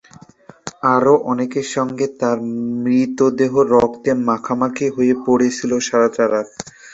আরও অনেকের সঙ্গে তার মৃতদেহ রক্তে মাখামাখি হয়ে পড়ে ছিল সারাটা রাত।